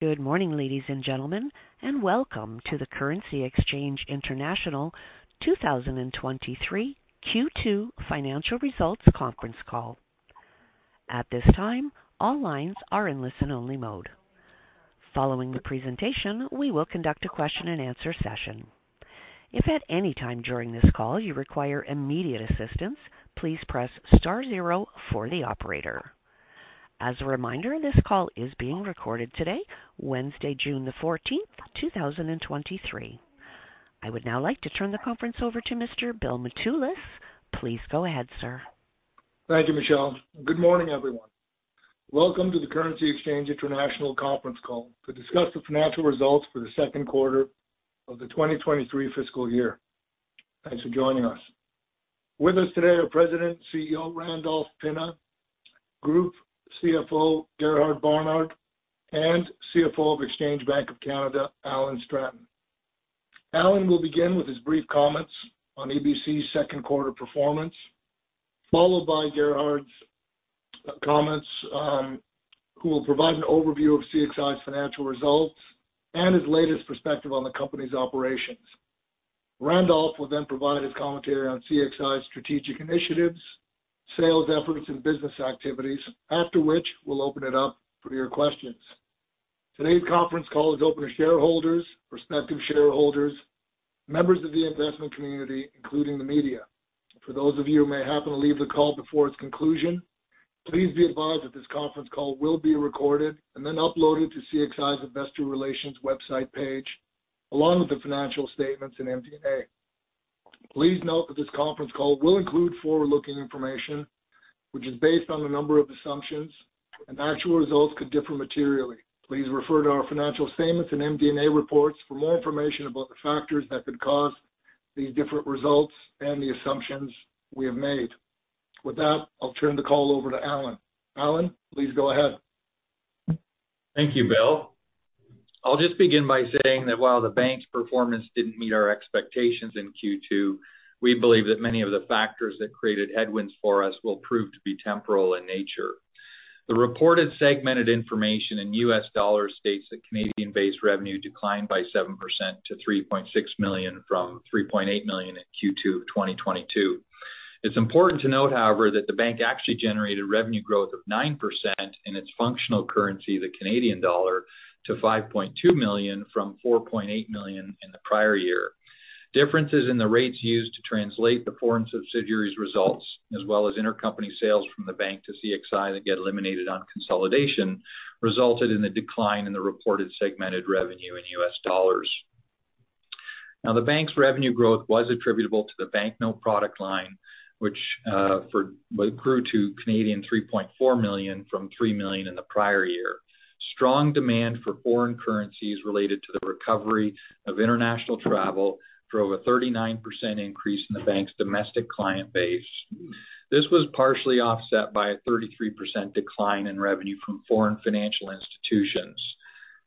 Good morning, ladies and gentlemen, and welcome to the Currency Exchange International 2023 Q2 financial results conference call. At this time, all lines are in listen-only mode. Following the presentation, we will conduct a question and answer session. If at any time during this call you require immediate assistance, please press star 0 for the operator. As a reminder, this call is being recorded today, Wednesday, June 14, 2023. I would now like to turn the conference over to Mr. Bill Mitoulas. Please go ahead, sir. Thank you, Michelle. Good morning, everyone. Welcome to the Currency Exchange International conference call to discuss the financial results for the second quarter of the 2023 fiscal year. Thanks for joining us. With us today are President CEO Randolph Pinna, Group CFO Gerhard Barnard, and CFO of Exchange Bank of Canada, Alan Stratton. Alan will begin with his brief comments on EBC's second quarter performance, followed by Gerhard's comments, who will provide an overview of CXI's financial results and his latest perspective on the company's operations. Randolph will then provide his commentary on CXI's strategic initiatives, sales efforts, and business activities, after which we'll open it up for your questions. Today's conference call is open to shareholders, prospective shareholders, members of the investment community, including the media. For those of you who may happen to leave the call before its conclusion, please be advised that this conference call will be recorded and then uploaded to CXI's investor relations website page, along with the financial statements and MD&A. Please note that this conference call will include forward-looking information, which is based on a number of assumptions. Actual results could differ materially. Please refer to our financial statements and MD&A reports for more information about the factors that could cause these different results and the assumptions we have made. With that, I'll turn the call over to Alan. Alan, please go ahead. Thank you, Bill. I'll just begin by saying that while the bank's performance didn't meet our expectations in Q2, we believe that many of the factors that created headwinds for us will prove to be temporal in nature. The reported segmented information in U.S. dollar states that Canadian-based revenue declined by 7% to $3.6 million from $3.8 million in Q2 2022. It's important to note, however, that the bank actually generated revenue growth of 9% in its functional currency, the Canadian dollar, to 5.2 million from 4.8 million in the prior year. Differences in the rates used to translate the foreign subsidiaries results, as well as intercompany sales from the bank to CXI that get eliminated on consolidation, resulted in a decline in the reported segmented revenue in U.S. dollars. The bank's revenue growth was attributable to the banknote product line, which grew to 3.4 million from 3 million in the prior year. Strong demand for foreign currencies related to the recovery of international travel drove a 39% increase in the bank's domestic client base. This was partially offset by a 33% decline in revenue from foreign financial institutions.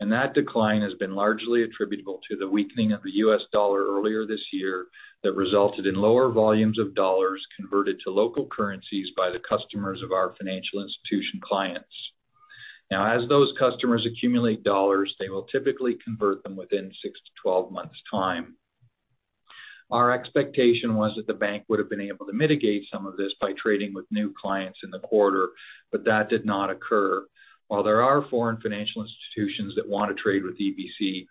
That decline has been largely attributable to the weakening of the U.S. dollar earlier this year that resulted in lower volumes of dollars converted to local currencies by the customers of our financial institution clients. As those customers accumulate dollars, they will typically convert them within 6-12 months time. Our expectation was that the bank would have been able to mitigate some of this by trading with new clients in the quarter. That did not occur. While there are foreign financial institutions that want to trade with EBC,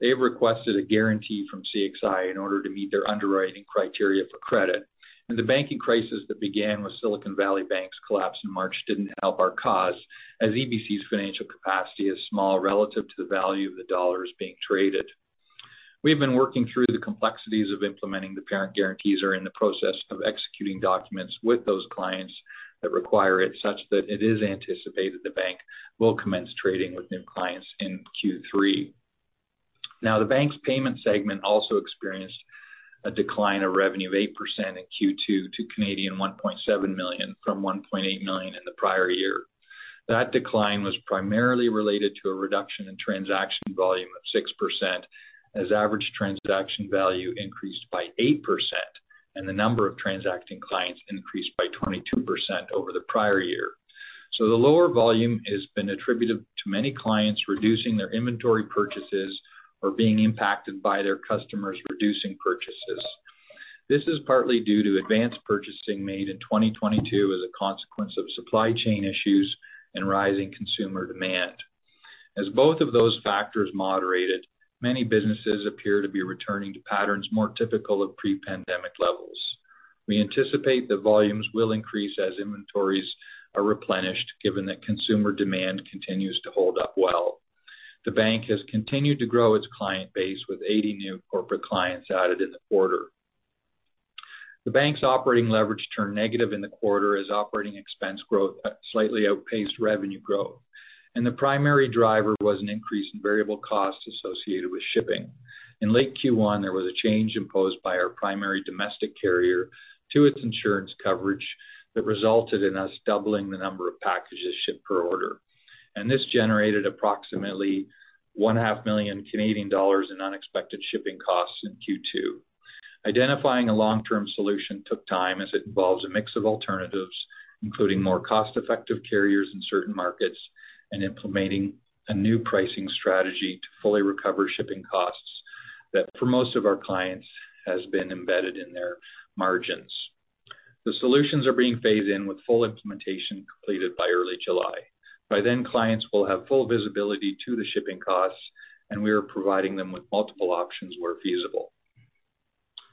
they have requested a guarantee from CXI in order to meet their underwriting criteria for credit. The banking crisis that began with Silicon Valley Bank's collapse in March didn't help our cause, as EBC's financial capacity is small relative to the value of the dollars being traded. We've been working through the complexities of implementing the parent guarantees are in the process of executing documents with those clients that require it, such that it is anticipated the bank will commence trading with new clients in Q3. The bank's payment segment also experienced a decline of revenue of 8% in Q2 to 1.7 million from 1.8 million in the prior year. That decline was primarily related to a reduction in transaction volume of 6%, as average transaction value increased by 8%, and the number of transacting clients increased by 22% over the prior year. The lower volume has been attributed to many clients reducing their inventory purchases or being impacted by their customers reducing purchases. This is partly due to advanced purchasing made in 2022 as a consequence of supply chain issues and rising consumer demand. As both of those factors moderated, many businesses appear to be returning to patterns more typical of pre-pandemic levels. We anticipate that volumes will increase as inventories are replenished, given that consumer demand continues to hold up well. The bank has continued to grow its client base, with 80 new corporate clients added in the quarter. The bank's operating leverage turned negative in the quarter as operating expense growth slightly outpaced revenue growth. The primary driver was an increase in variable costs associated with shipping. In late Q1, there was a change imposed by our primary domestic carrier to its insurance coverage that resulted in us doubling the number of packages shipped per order. This generated approximately one half million Canadian dollars in unexpected shipping costs in Q2. Identifying a long-term solution took time, as it involves a mix of alternatives, including more cost-effective carriers in certain markets, and implementing a new pricing strategy to fully recover shipping costs, that for most of our clients has been embedded in their margins. The solutions are being phased in with full implementation completed by early July. By then, clients will have full visibility to the shipping costs, and we are providing them with multiple options where feasible.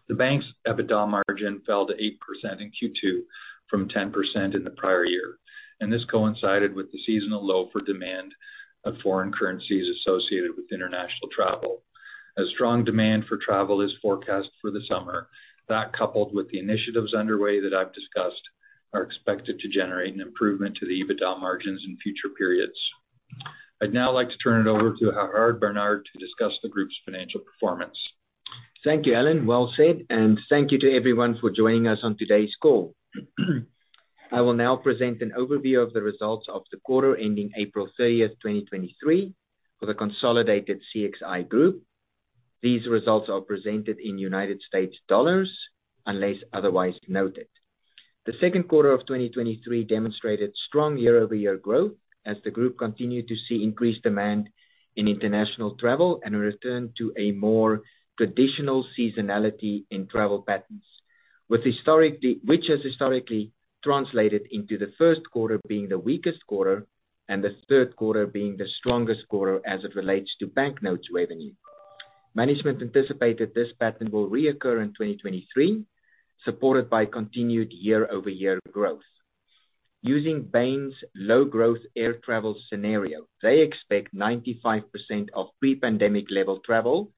The bank's EBITDA margin fell to 8% in Q2 from 10% in the prior year. This coincided with the seasonal low for demand of foreign currencies associated with international travel. Strong demand for travel is forecast for the summer, that coupled with the initiatives underway that I've discussed, are expected to generate an improvement to the EBITDA margins in future periods. I'd now like to turn it over to Gerhard Barnard to discuss the group's financial performance. Thank you, Alan. Well said, thank you to everyone for joining us on today's call. I will now present an overview of the results of the quarter ending April 30th, 2023, for the consolidated CXI Group. These results are presented in United States dollars, unless otherwise noted. The second quarter of 2023 demonstrated strong year-over-year growth as the group continued to see increased demand in international travel and a return to a more traditional seasonality in travel patterns. Which has historically translated into the first quarter being the weakest quarter, and the third quarter being the strongest quarter as it relates to banknotes revenue. Management anticipated this pattern will reoccur in 2023, supported by continued year-over-year growth. Using Bain's low growth air travel scenario, they expect 95% of pre-pandemic level travel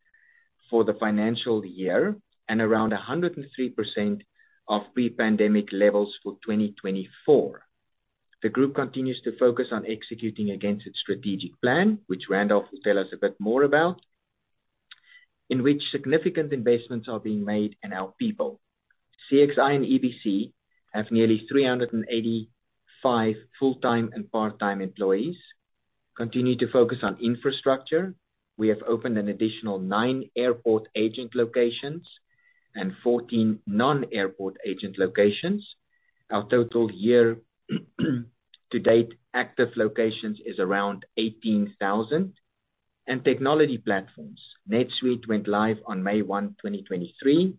for the financial year, and around 103% of pre-pandemic levels for 2024. The group continues to focus on executing against its strategic plan, which Randolph will tell us a bit more about, in which significant investments are being made in our people. CXI and EBC have nearly 385 full-time and part-time employees, continue to focus on infrastructure. We have opened an additional nine airport agent locations and 14 non-airport agent locations. Our total year to date active locations is around 18,000. Technology platforms. NetSuite went live on May one, 2023,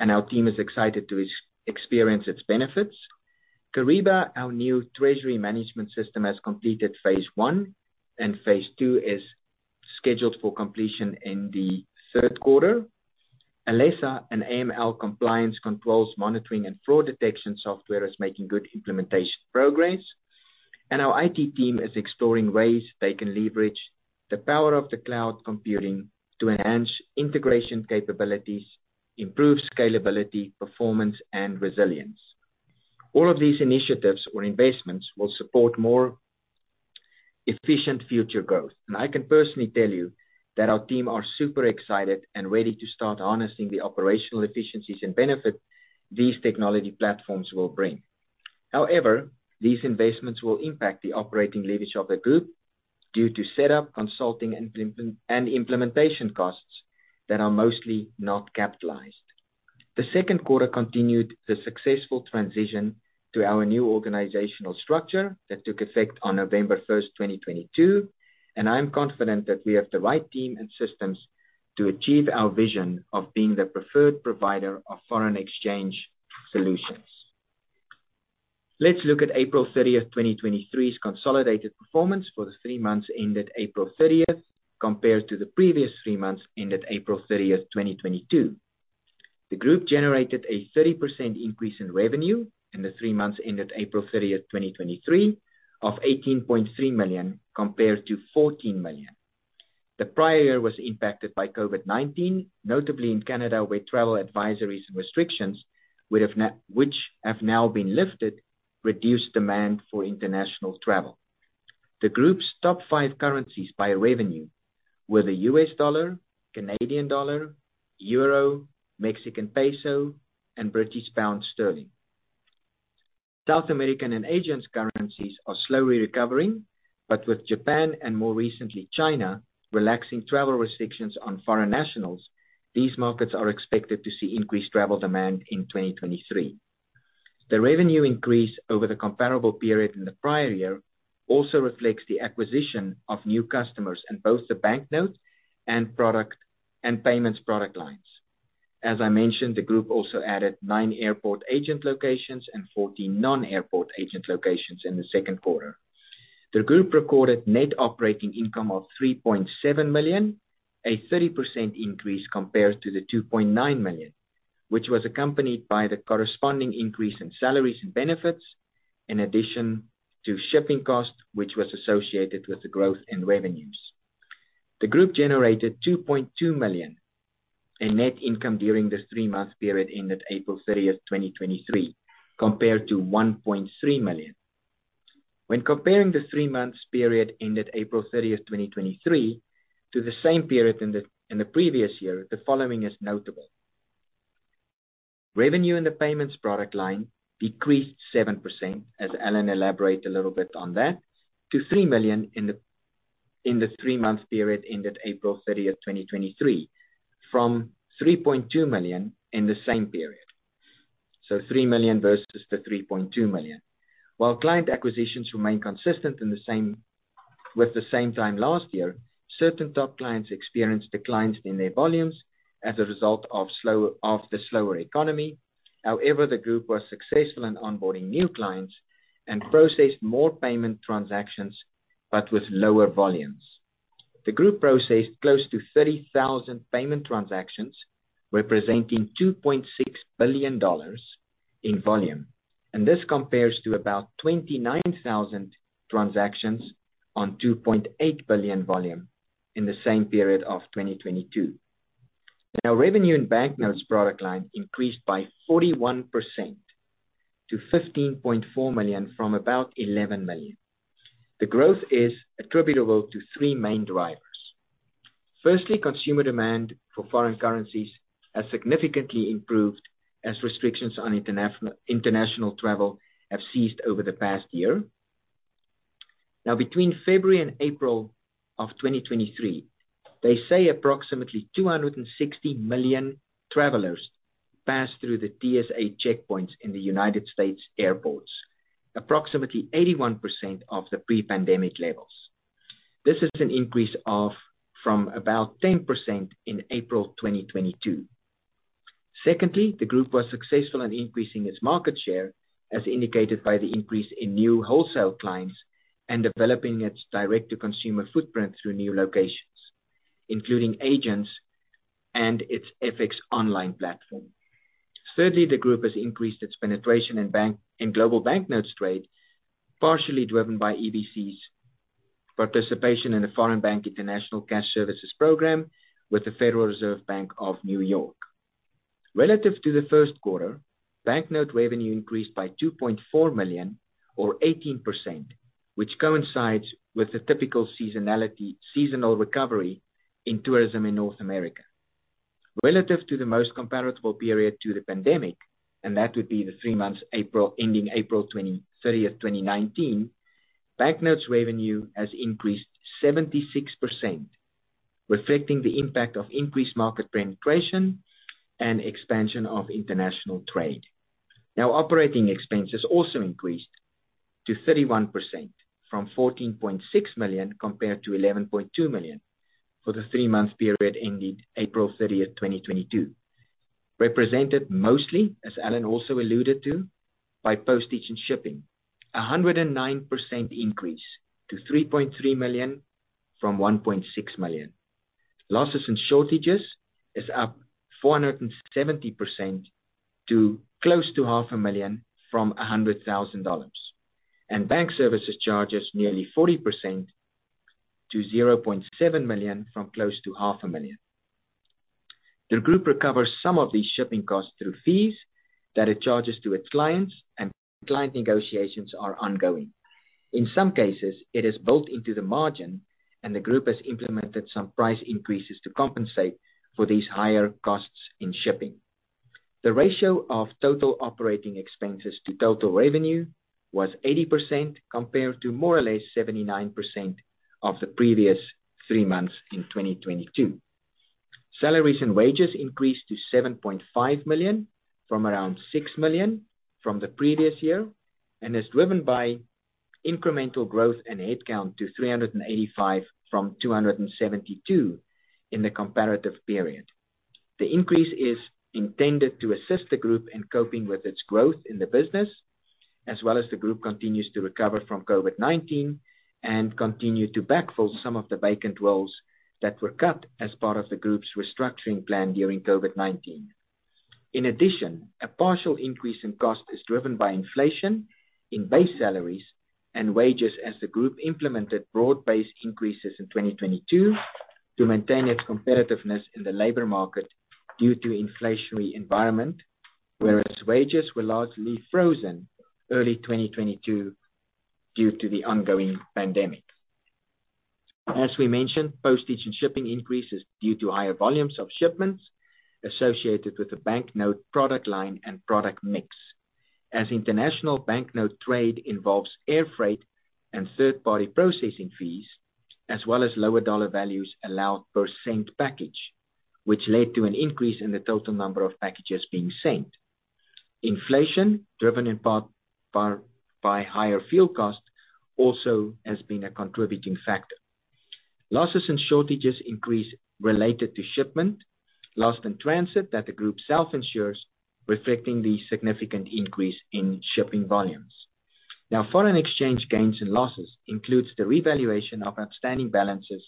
and our team is excited to experience its benefits. Kyriba, our new treasury management system, has completed phase one, and phase two is scheduled for completion in the third quarter. Alessa, an AML compliance controls, monitoring, and fraud detection software, is making good implementation progress. Our IT team is exploring ways they can leverage the power of the cloud computing to enhance integration capabilities, improve scalability, performance, and resilience. All of these initiatives or investments will support more efficient future growth. I can personally tell you that our team are super excited and ready to start harnessing the operational efficiencies and benefits these technology platforms will bring. However, these investments will impact the operating leverage of the group due to set up, consulting, and implementation costs that are mostly not capitalized. The second quarter continued the successful transition to our new organizational structure that took effect on November 1st, 2022, and I'm confident that we have the right team and systems to achieve our vision of being the preferred provider of foreign exchange solutions. Let's look at April 30th, 2023's consolidated performance for the 3 months ended April 30th, compared to the previous 3 months, ended April 30th, 2022. The group generated a 30% increase in revenue in the 3 months ended April 30th, 2023, of $18.3 million compared to $14 million. The prior year was impacted by COVID-19, notably in Canada, where travel advisories and restrictions which have now been lifted, reduced demand for international travel. The group's top 5 currencies by revenue were the US dollar, Canadian dollar, euro, Mexican peso, and British pound sterling. South American and Asian currencies are slowly recovering, but with Japan and more recently China, relaxing travel restrictions on foreign nationals, these markets are expected to see increased travel demand in 2023. The revenue increase over the comparable period in the prior year also reflects the acquisition of new customers in both the banknote and product and payments product lines. As I mentioned, the group also added nine airport agent locations and 14 non-airport agent locations in the second quarter. The group recorded net operating income of $3.7 million, a 30% increase compared to the $2.9 million, which was accompanied by the corresponding increase in salaries and benefits, in addition to shipping costs, which was associated with the growth in revenues. The group generated $2.2 million in net income during the three-month period ended April 30, 2023, compared to $1.3 million. When comparing the 3-months period ended April 30, 2023, to the same period in the previous year, the following is notable. Revenue in the payments product line decreased 7%, as Alan elaborate a little bit on that, to $3 million in the 3-month period ended April 30, 2023, from $3.2 million in the same period. $3 million versus the $3.2 million. While client acquisitions remain consistent with the same time last year, certain top clients experienced declines in their volumes as a result of the slower economy. However, the group was successful in onboarding new clients, and processed more payment transactions, but with lower volumes. The group processed close to 30,000 payment transactions, representing $2.6 billion in volume. This compares to about 29,000 transactions on $2.8 billion volume in the same period of 2022. Revenue in banknotes product line increased by 41% to $15.4 million from about $11 million. The growth is attributable to three main drivers: firstly, consumer demand for foreign currencies has significantly improved as restrictions on international travel have ceased over the past year. Between February and April 2023, they say approximately 260 million travelers passed through the TSA checkpoints in the United States airports, approximately 81% of the pre-pandemic levels. This is an increase of, from about 10% in April 2022. Secondly, the group was successful in increasing its market share, as indicated by the increase in new wholesale clients, and developing its direct-to-consumer footprint through new locations, including agents and its FX online platform. Thirdly, the group has increased its penetration in global banknotes trade, partially driven by EBC's participation in the Foreign Bank International Cash Services program with the Federal Reserve Bank of New York. Relative to the first quarter, banknote revenue increased by $2.4 million or 18%, which coincides with the typical seasonal recovery in tourism in North America. Relative to the most comparable period to the pandemic, and that would be the 3 months ending April 30th, 2019, banknotes revenue has increased 76%, reflecting the impact of increased market penetration and expansion of international trade. Operating expenses also increased to 31%, from $14.6 million compared to $11.2 million for the three-month period ending April 30, 2022. Represented mostly, as Alan also alluded to, by postage and shipping. 109% increase to $3.3 million from $1.6 million. Losses and shortages is up 470% to close to half a million from $100,000, and bank services charges nearly 40% to $0.7 million from close to half a million. The group recovers some of these shipping costs through fees that it charges to its clients, and client negotiations are ongoing. In some cases, it is built into the margin, and the group has implemented some price increases to compensate for these higher costs in shipping. The ratio of total operating expenses to total revenue was 80%, compared to more or less 79% of the previous three months in 2022. Salaries and wages increased to $7.5 million from around $6 million from the previous year, and is driven by incremental growth and headcount to 385 from 272 in the comparative period. The increase is intended to assist the group in coping with its growth in the business, as well as the group continues to recover from COVID-19 and continue to backfill some of the vacant roles that were cut as part of the group's restructuring plan during COVID-19. In addition, a partial increase in cost is driven by inflation in base salaries and wages, as the group implemented broad-based increases in 2022 to maintain its competitiveness in the labor market due to inflationary environment, whereas wages were largely frozen early 2022 due to the ongoing pandemic. As we mentioned, postage and shipping increase is due to higher volumes of shipments associated with the banknote product line and product mix, as international banknote trade involves air freight and third-party processing fees, as well as lower dollar values allowed per sent package, which led to an increase in the total number of packages being sent. Inflation, driven in part by higher fuel costs, also has been a contributing factor. Losses and shortages increase related to shipment, lost in transit that the group self-insures, reflecting the significant increase in shipping volumes. Foreign exchange gains and losses includes the revaluation of outstanding balances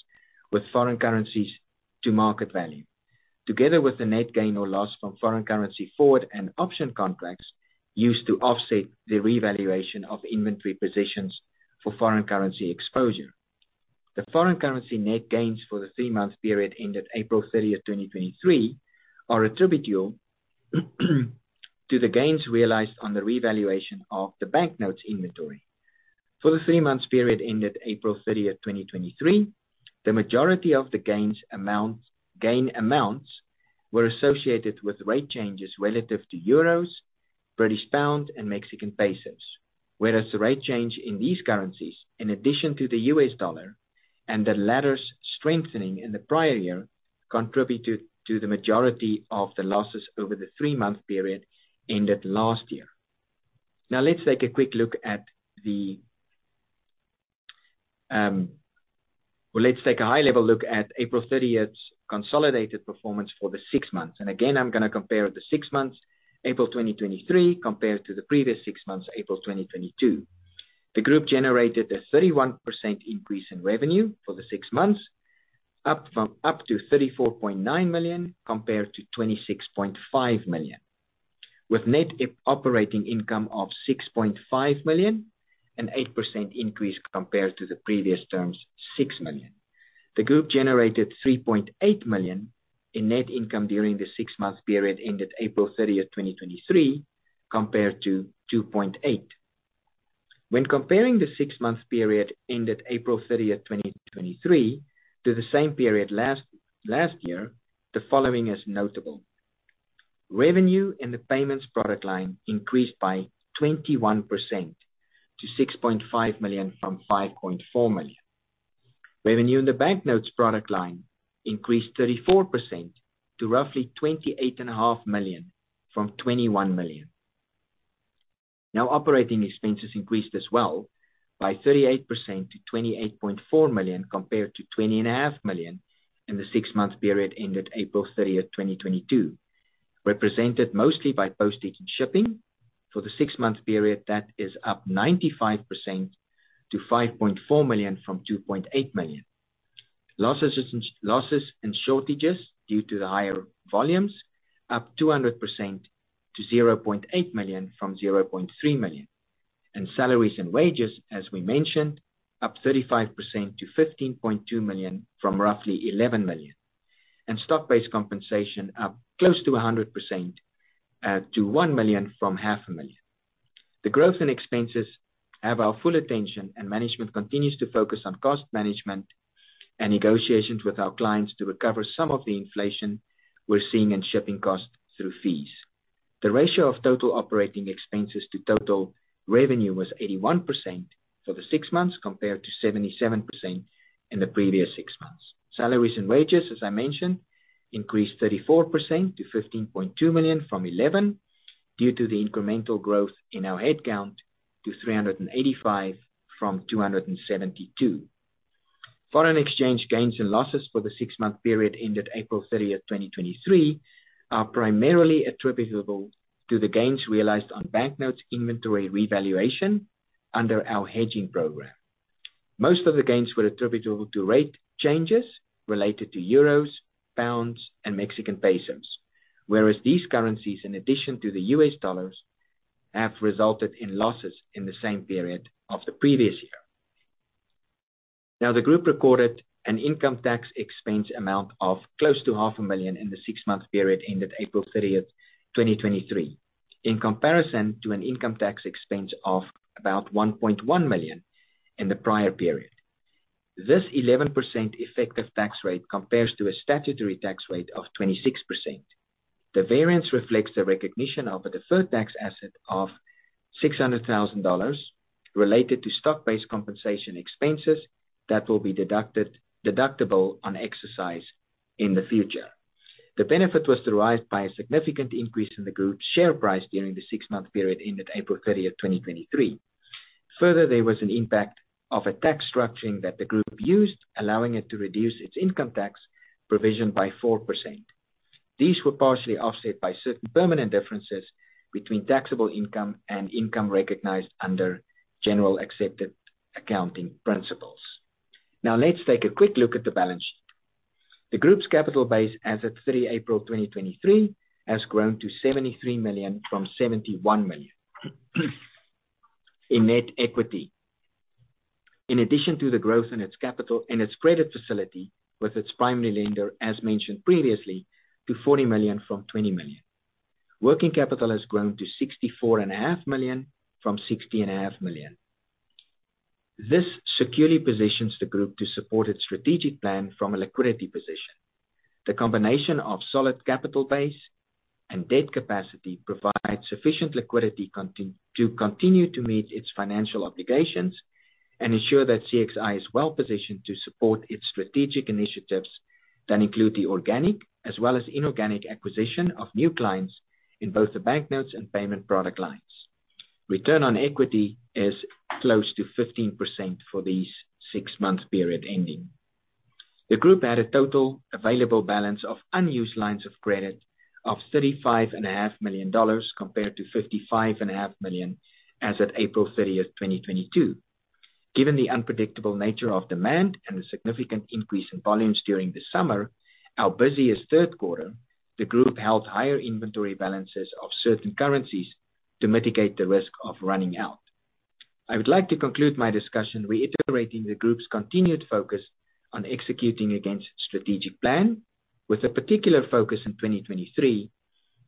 with foreign currencies to market value, together with the net gain or loss from foreign currency forward and option contracts used to offset the revaluation of inventory positions for foreign currency exposure. The foreign currency net gains for the 3-month period ended April 30, 2023, are attributable to the gains realized on the revaluation of the banknotes inventory. For the 3-month period ended April 30, 2023, the majority of the gain amounts were associated with rate changes relative to euros, British pound, and Mexican pesos. Whereas the rate change in these currencies, in addition to the U.S. dollar, and the latter's strengthening in the prior year, contributed to the majority of the losses over the 3-month period ended last year. Let's take a quick look at the... Well, let's take a high-level look at April 30th's consolidated performance for the 6 months. Again, I'm gonna compare the 6 months, April 2023, compared to the previous 6 months, April 2022. The group generated a 31% increase in revenue for the 6 months, up to 34.9 million, compared to 26.5 million, with net operating income of 6.5 million, an 8% increase compared to the previous term's 6 million. The group generated 3.8 million in net income during the 6-month period ended April 30th, 2023, compared to 2.8 million. When comparing the 6-month period ended April 30th, 2023, to the same period last year, the following is notable: Revenue in the payments product line increased by 21% to 6.5 million from 5.4 million. Revenue in the banknotes product line increased 34% to roughly $28.5 million from $21 million. Operating expenses increased as well by 38% to $28.4 million, compared to $20.5 million in the six-month period ended April 30th, 2022. Represented mostly by postage and shipping. For the six-month period, that is up 95% to $5.4 million from $2.8 million. Losses and shortages due to the higher volumes, up 200% to $0.8 million from $0.3 million. Salaries and wages, as we mentioned, up 35% to $15.2 million from roughly $11 million. Stock-based compensation, up close to 100%, to $1 million from $0.5 million. The growth in expenses have our full attention. Management continues to focus on cost management and negotiations with our clients to recover some of the inflation we're seeing in shipping costs through fees. The ratio of total operating expenses to total revenue was 81% for the six months, compared to 77% in the previous six months. Salaries and wages, as I mentioned, increased 34% to $15.2 million from $11 million, due to the incremental growth in our headcount to 385 from 272. Foreign exchange gains and losses for the six-month period ended April 30, 2023, are primarily attributable to the gains realized on banknotes inventory revaluation under our hedging program. Most of the gains were attributable to rate changes related to euros, pounds, and Mexican pesos, whereas these currencies, in addition to the US dollars, have resulted in losses in the same period of the previous year. Now, the group recorded an income tax expense amount of close to half a million in the six-month period ended April 30, 2023, in comparison to an income tax expense of about $1.1 million in the prior period. This 11% effective tax rate compares to a statutory tax rate of 26%. The variance reflects the recognition of a deferred tax asset of $600,000 related to stock-based compensation expenses that will be deductible on exercise in the future. The benefit was derived by a significant increase in the group's share price during the six-month period ended April 30, 2023. There was an impact of a tax structuring that the group used, allowing it to reduce its income tax provision by 4%. These were partially offset by certain permanent differences between taxable income and income recognized under general accepted accounting principles. Let's take a quick look at the balance sheet. The group's capital base as at April 3, 2023, has grown to $73 million from $71 million, in net equity. In addition to the growth in its capital and its credit facility, with its primary lender, as mentioned previously, to $40 million from $20 million. Working capital has grown to $64 and a half million, from $60 and a half million. This securely positions the group to support its strategic plan from a liquidity position. The combination of solid capital base and debt capacity provides sufficient liquidity contin... to continue to meet its financial obligations, and ensure that CXI is well-positioned to support its strategic initiatives that include the organic as well as inorganic acquisition of new clients in both the banknotes and payment product lines. Return on equity is close to 15% for these six-month period ending. The group had a total available balance of unused lines of credit of $35.5 million, compared to $55.5 million as at April 30, 2022. Given the unpredictable nature of demand and the significant increase in volumes during the summer, our busiest third quarter, the group held higher inventory balances of certain currencies to mitigate the risk of running out. I would like to conclude my discussion reiterating the group's continued focus on executing against its strategic plan, with a particular focus in 2023.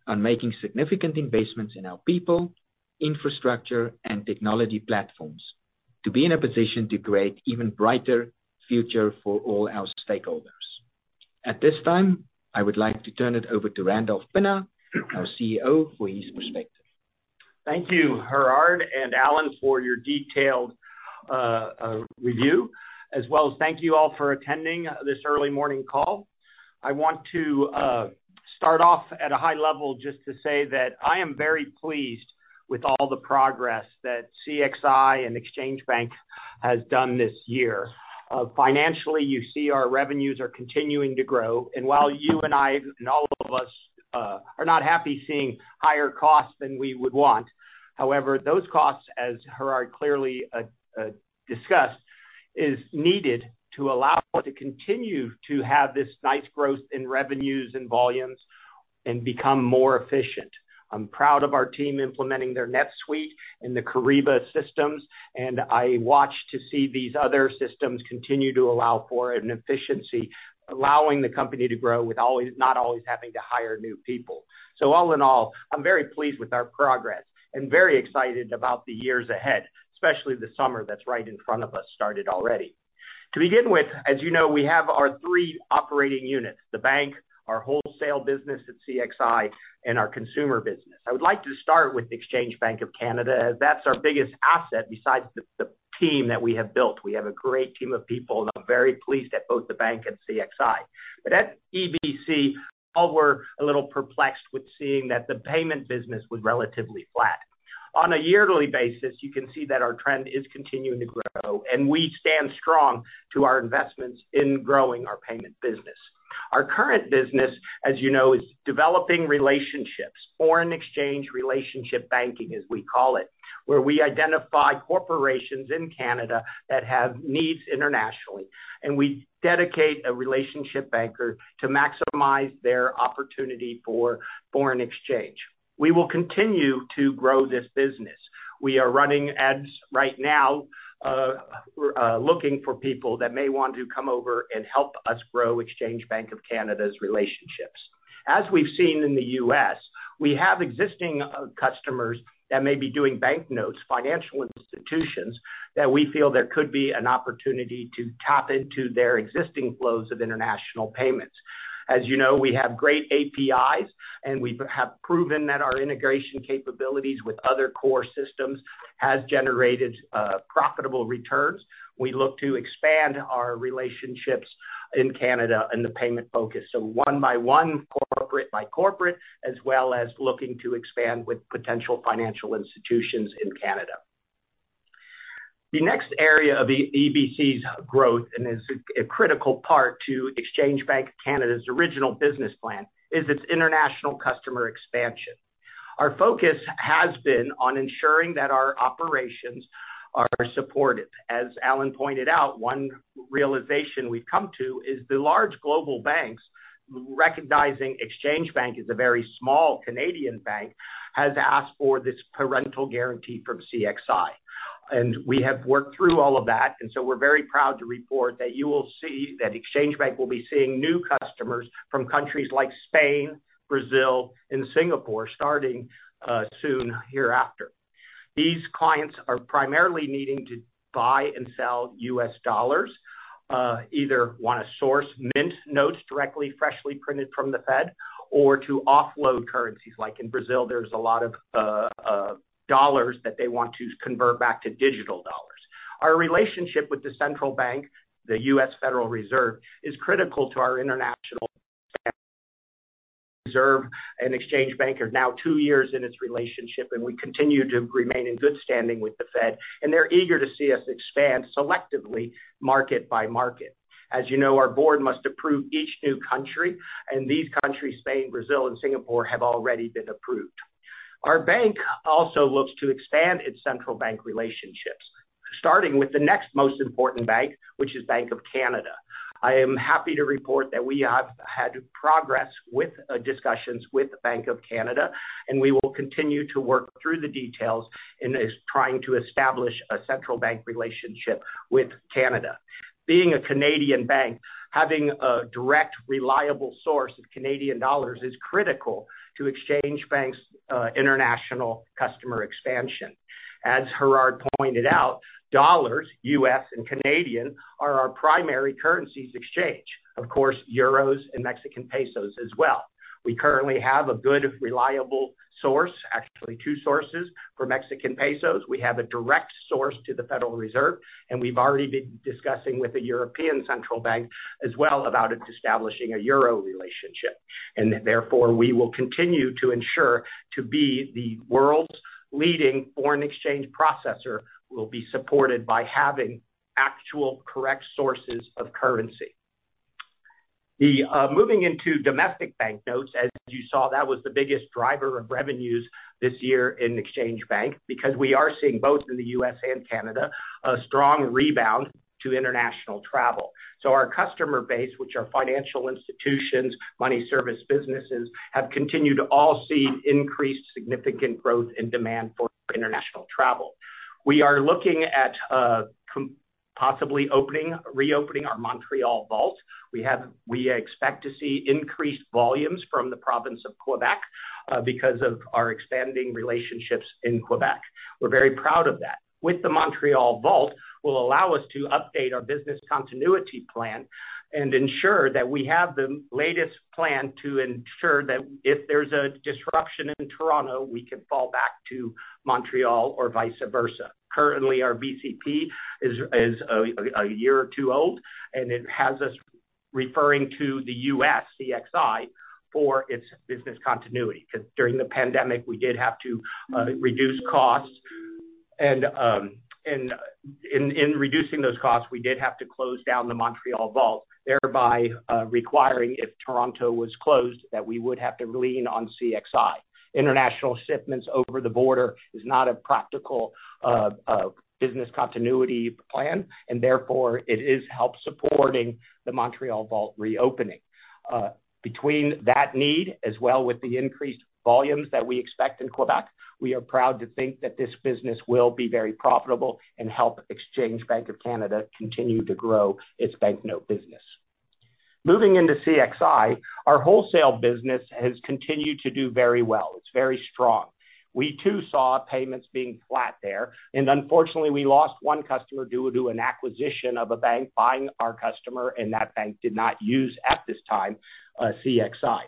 on making significant investments in our people, infrastructure, and technology platforms to be in a position to create even brighter future for all our stakeholders. At this time, I would like to turn it over to Randolph Pinna, our CEO, for his perspective. Thank you, Gerhard and Alan, for your detailed review, as well as thank you all for attending this early morning call. I want to start off at a high level just to say that I am very pleased with all the progress that CXI and Exchange Bank has done this year. Financially, you see our revenues are continuing to grow, and while you and I and all of us are not happy seeing higher costs than we would want. However, those costs, as Gerhard clearly discussed, is needed to allow us to continue to have this nice growth in revenues and volumes and become more efficient. I'm proud of our team implementing their NetSuite and the Kyriba systems, and I watch to see these other systems continue to allow for an efficiency, allowing the company to grow with not always having to hire new people. All in all, I'm very pleased with our progress and very excited about the years ahead, especially the summer that's right in front of us, started already. To begin with, as you know, we have our three operating units, the bank, our wholesale business at CXI, and our consumer business. I would like to start with the Exchange Bank of Canada, as that's our biggest asset besides the team that we have built. We have a great team of people, and I'm very pleased at both the bank and CXI. At EBC, all were a little perplexed with seeing that the payment business was relatively flat. On a yearly basis, you can see that our trend is continuing to grow, and we stand strong to our investments in growing our payment business. Our current business, as you know, is developing relationships, foreign exchange relationship banking, as we call it, where we identify corporations in Canada that have needs internationally, and we dedicate a relationship banker to maximize their opportunity for foreign exchange. We will continue to grow this business. We are running ads right now, looking for people that may want to come over and help us grow Exchange Bank of Canada's relationships. As we've seen in the U.S., we have existing customers that may be doing banknotes, financial institutions, that we feel there could be an opportunity to tap into their existing flows of international payments. As you know, we have great APIs, and we have proven that our integration capabilities with other core systems has generated profitable returns. We look to expand our relationships in Canada and the payment focus. One by one, corporate by corporate, as well as looking to expand with potential financial institutions in Canada. The next area of EBC's growth, and is a critical part to Exchange Bank of Canada's original business plan, is its international customer expansion. Our focus has been on ensuring that our operations are supported. As Alan pointed out, one realization we've come to is the large global banks, recognizing Exchange Bank as a very small Canadian bank, has asked for this parental guarantee from CXI, and we have worked through all of that. We're very proud to report that you will see that Exchange Bank will be seeing new customers from countries like Spain, Brazil, and Singapore, starting soon hereafter. These clients are primarily needing to buy and sell US dollars, either wanna source mint notes directly freshly printed from the Fed or to offload currencies. Like in Brazil, there's a lot of dollars that they want to convert back to digital dollars. Our relationship with the Central Bank, the US Federal Reserve, is critical to our international reserve, and Exchange Bank are now two years in its relationship, and we continue to remain in good standing with the Fed, and they're eager to see us expand selectively, market by market. As you know, our Board must approve each new country, and these countries, Spain, Brazil, and Singapore, have already been approved. Our bank also looks to expand its central bank relationships, starting with the next most important bank, which is Bank of Canada. I am happy to report that we have had progress with discussions with Bank of Canada. We will continue to work through the details in this, trying to establish a central bank relationship with Canada. Being a Canadian bank, having a direct, reliable source of Canadian dollars is critical to Exchange Bank's international customer expansion. As Gerhard pointed out, dollars, U.S. and Canadian, are our primary currencies exchange. Of course, euros and Mexican pesos as well. We currently have a good, reliable source, actually two sources, for Mexican pesos. We have a direct source to the Federal Reserve. We've already been discussing with the European Central Bank as well about establishing a euro relationship. Therefore, we will continue to ensure to be the world's leading foreign exchange processor, will be supported by having actual correct sources of currency. The moving into domestic banknotes, as you saw, that was the biggest driver of revenues this year in Exchange Bank because we are seeing both in the U.S. and Canada, a strong rebound to international travel. Our customer base, which are financial institutions, money service businesses, have continued to all see increased significant growth and demand for international travel. We are looking at possibly opening, reopening our Montreal vault. We expect to see increased volumes from the province of Quebec because of our expanding relationships in Quebec. We're very proud of that. With the Montreal vault, will allow us to update our business continuity plan and ensure that we have the latest plan to ensure that if there's a disruption in Toronto, we can fall back to Montreal or vice versa. Currently, our BCP is a year or two old, and it has us referring to the U.S., CXI, for its business continuity. Because during the pandemic, we did have to reduce costs. And in reducing those costs, we did have to close down the Montreal vault, thereby requiring, if Toronto was closed, that we would have to lean on CXI. International shipments over the border is not a practical business continuity plan, and therefore, it is help supporting the Montreal vault reopening. Between that need, as well as with the increased volumes that we expect in Quebec, we are proud to think that this business will be very profitable and help Exchange Bank of Canada continue to grow its banknote business. Moving into CXI, our wholesale business has continued to do very well. It's very strong. We, too, saw payments being flat there, and unfortunately, we lost 1 customer due to an acquisition of a bank buying our customer, and that bank did not use, at this time, CXI.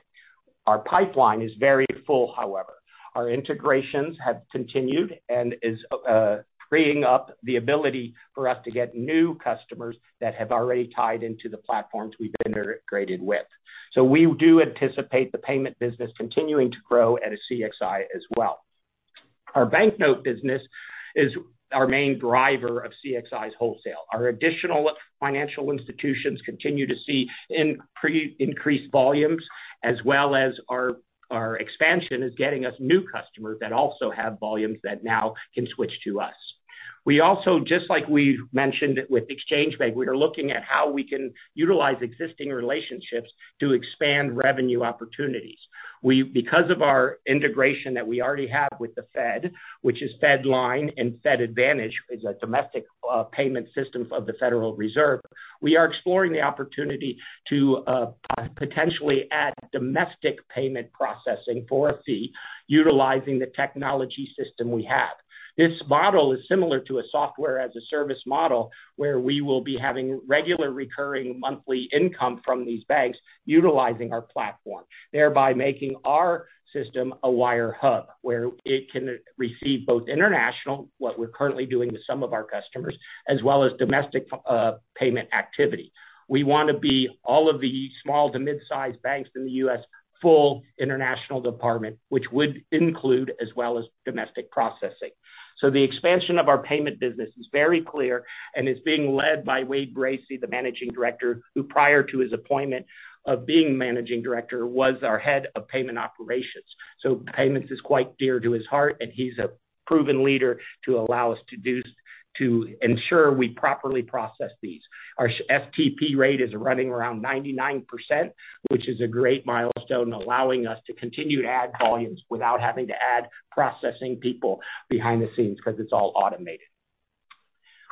Our pipeline is very full, however. Our integrations have continued and is freeing up the ability for us to get new customers that have already tied into the platforms we've integrated with. We do anticipate the payment business continuing to grow at a CXI as well. Our banknote business is our main driver of CXI's wholesale. Our additional financial institutions continue to see increased volumes, as well as our expansion is getting us new customers that also have volumes that now can switch to us. We also, just like we mentioned with Exchange Bank, we are looking at how we can utilize existing relationships to expand revenue opportunities. Because of our integration that we already have with the Fed, which is FedLine and FedLine Advantage, is a domestic payment systems of the Federal Reserve, we are exploring the opportunity to potentially add domestic payment processing for a fee utilizing the technology system we have. This model is similar to a software-as-a-service model, where we will be having regular recurring monthly income from these banks utilizing our platform, thereby making our system a wire hub, where it can receive both international, what we're currently doing with some of our customers, as well as domestic payment activity. We want to be all of the small to mid-sized banks in the U.S., full international department, which would include as well as domestic processing. The expansion of our payment business is very clear and is being led by Wade Bracy, the Managing Director, who, prior to his appointment of being managing director, was our head of payment operations. Payments is quite dear to his heart, and he's a proven leader to allow us to ensure we properly process these. Our FTP rate is running around 99%, which is a great milestone, allowing us to continue to add volumes without having to add processing people behind the scenes because it's all automated.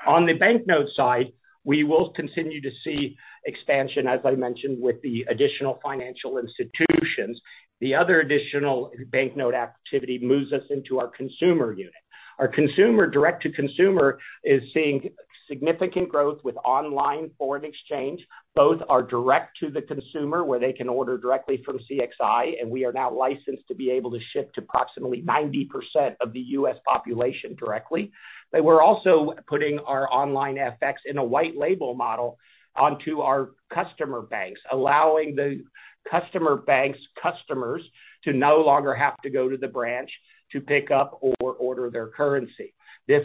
On the banknote side, we will continue to see expansion, as I mentioned, with the additional financial institutions. The other additional banknote activity moves us into our consumer unit. Our consumer, direct to consumer, is seeing significant growth with online foreign exchange. Both are direct to the consumer, where they can order directly from CXI, and we are now licensed to be able to ship to approximately 90% of the U.S. population directly. We're also putting our OnlineFX in a white label model onto our customer banks, allowing the customer bank's customers to no longer have to go to the branch to pick up or order their currency. This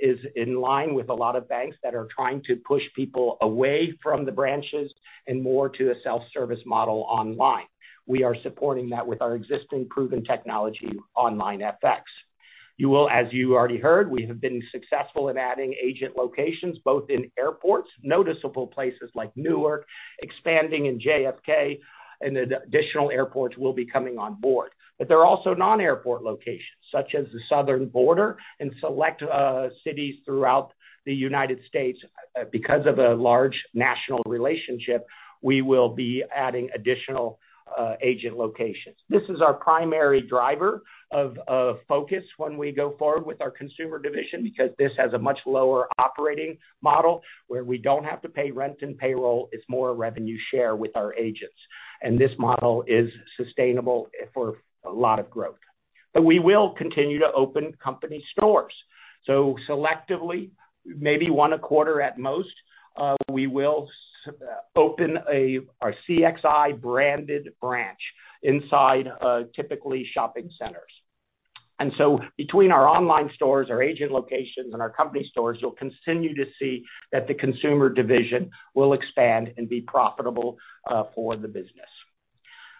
is in line with a lot of banks that are trying to push people away from the branches and more to a self-service model online. We are supporting that with our existing proven technology, OnlineFX. As you already heard, we have been successful in adding agent locations, both in airports, noticeable places like Newark, expanding in JFK, and additional airports will be coming on board. There are also non-airport locations, such as the southern border and select cities throughout the United States. Because of a large national relationship, we will be adding additional agent locations. This is our primary driver of focus when we go forward with our consumer division, because this has a much lower operating model, where we don't have to pay rent and payroll. It's more a revenue share with our agents. This model is sustainable for a lot of growth. We will continue to open company stores. Selectively, maybe one a quarter at most, we will open our CXI-branded branch inside, typically shopping centers. Between our online stores, our agent locations, and our company stores, you'll continue to see that the consumer division will expand and be profitable for the business.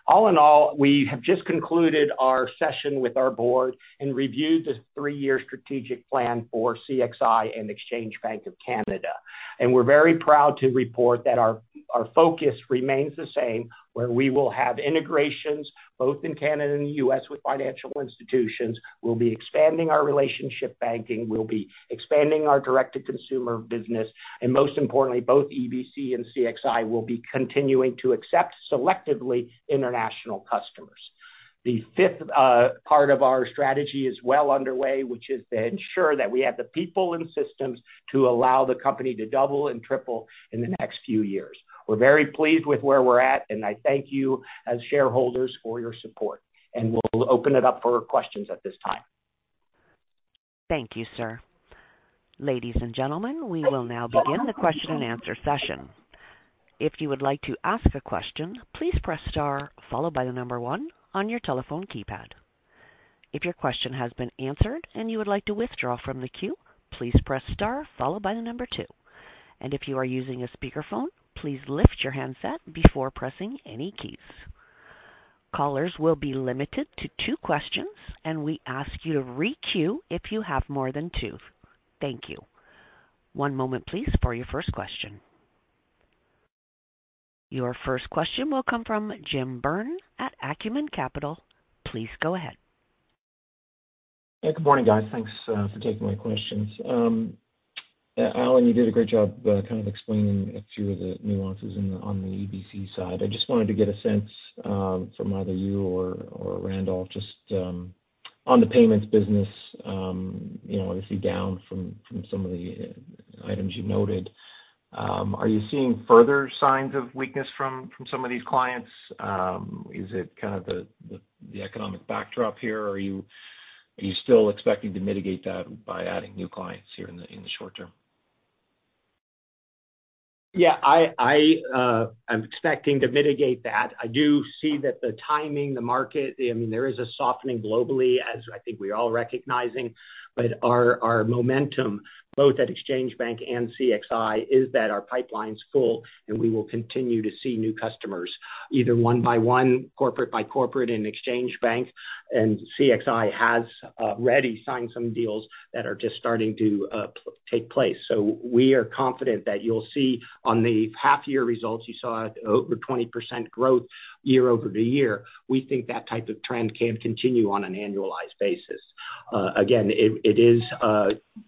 All in all, we have just concluded our session with our board and reviewed the three-year strategic plan for CXI and Exchange Bank of Canada. We're very proud to report that our focus remains the same, where we will have integrations both in Canada and the U.S. with financial institutions. We'll be expanding our relationship banking, we'll be expanding our direct-to-consumer business, and most importantly, both EBC and CXI will be continuing to accept selectively international customers. The fifth part of our strategy is well underway, which is to ensure that we have the people and systems to allow the company to double and triple in the next few years. We're very pleased with where we're at. I thank you as shareholders for your support. We'll open it up for questions at this time. Thank you, sir. Ladies and gentlemen, we will now begin the question and answer session. If you would like to ask a question, please press star followed by the number one on your telephone keypad. If your question has been answered and you would like to withdraw from the queue, please press star followed by the number two. If you are using a speakerphone, please lift your handset before pressing any keys. Callers will be limited to two questions, and we ask you to re-queue if you have more than two. Thank you. One moment, please, for your first question. Your first question will come from Jim Byrne at Acumen Capital. Please go ahead. Good morning, guys. Thanks for taking my questions. Alan, you did a great job kind of explaining a few of the nuances on the EBC side. I just wanted to get a sense from either you or Randolph, just on the payments business, you know, obviously down from some of the items you noted. Are you seeing further signs of weakness from some of these clients? Is it kind of the economic backdrop here, or are you still expecting to mitigate that by adding new clients here in the short term? I am expecting to mitigate that. I do see that the timing, the market, I mean, there is a softening globally, as I think we're all recognizing. Our momentum, both at Exchange Bank and CXI, is that our pipeline's full, and we will continue to see new customers, either one by one, corporate by corporate in Exchange Bank, and CXI has already signed some deals that are just starting to take place. We are confident that you'll see on the half-year results, you saw over 20% growth year-over-year. We think that type of trend can continue on an annualized basis. Again, it is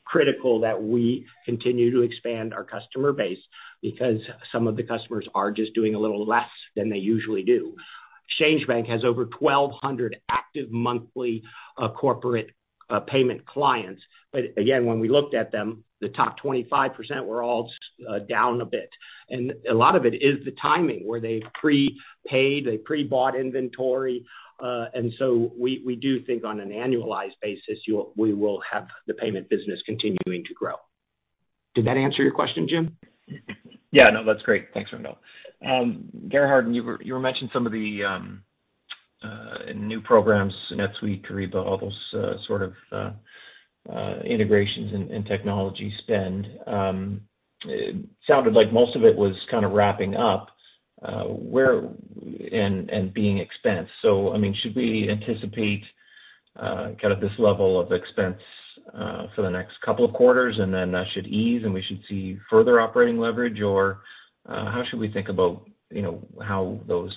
critical that we continue to expand our customer base because some of the customers are just doing a little less than they usually do. Exchange Bank has over 1,200 active monthly, corporate, payment clients. Again, when we looked at them, the top 25% were all down a bit. A lot of it is the timing, where they've prepaid, they pre-bought inventory. We, we do think on an annualized basis, we will have the payment business continuing to grow. Did that answer your question, Jim? Yeah, no, that's great. Thanks, Randolph. Gerhard, you were mentioning some of the new programs, NetSuite, Kyriba, all those sort of integrations and technology spend. It sounded like most of it was kind of wrapping up, where... And being expensed. I mean, should we anticipate kind of this level of expense for the next couple of quarters, and then that should ease, and we should see further operating leverage? How should we think about, you know, how those